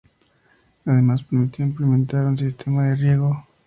Además permitió implementar un sistema de riego.